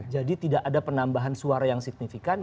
tidak ada penambahan suara yang signifikan